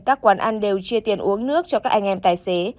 các quán ăn đều chia tiền uống nước cho các anh em tài xế